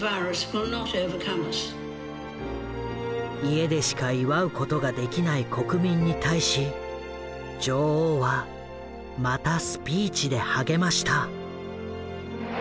家でしか祝うことができない国民に対し女王はまたスピーチで励ました。